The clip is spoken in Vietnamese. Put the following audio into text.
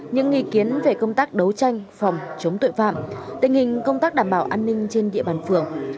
những ý kiến về công tác đấu tranh phòng chống tội phạm tình hình công tác đảm bảo an ninh trên địa bàn phường